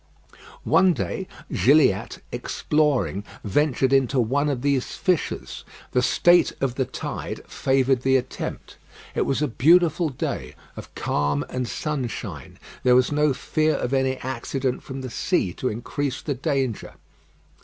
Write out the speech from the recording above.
One day, Gilliatt, exploring, ventured into one of these fissures. The state of the tide favoured the attempt. It was a beautiful day of calm and sunshine. There was no fear of any accident from the sea to increase the danger.